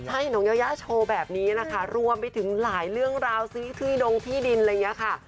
ใช่น้องยายาโชว์แบบนี้นะคะรวมไปถึงหลายเรื่องราวซื้อที่ดงที่ดินอะไรอย่างนี้ค่ะ